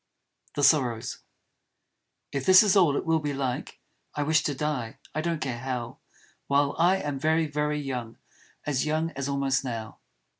The Sorrows If This is all it will be like, I wish to Die; I don't care how While I am very, very young; As young as almost Now.